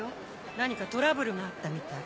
何かトラブルがあったみたい。